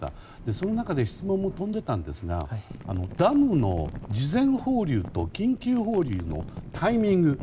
その中で質問も飛んでたんですがダムの事前放流と緊急放流のタイミング。